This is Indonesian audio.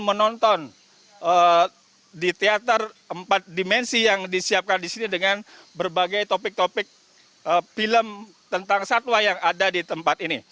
menonton di teater empat dimensi yang disiapkan di sini dengan berbagai topik topik film tentang satwa yang ada di tempat ini